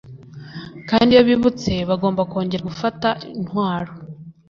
Kandi iyo bibutse bagomba kongera gufata intwaro